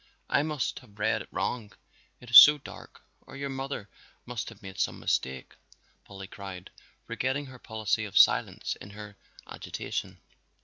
"I must have read it wrong, it is so dark, or your mother must have made some mistake!" Polly cried, forgetting her policy of silence in her agitation.